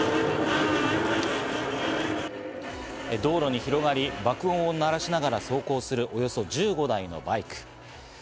道路に広がり爆音を鳴らしながら走行する、およそ１５台のバイク。